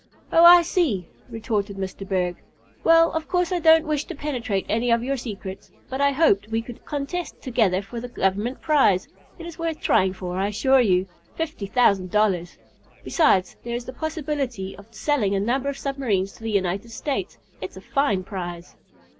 "Oh, I see," retorted Mr. Berg. "Well, of course I don't wish to penetrate any of your secrets, but I hoped we could contest together for the Government prize. It is worth trying for I assure you fifty thousand dollars. Besides, there is the possibility of selling a number of submarines to the United States. It's a fine prize."